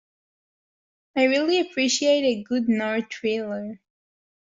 I really appreciate a good noir thriller.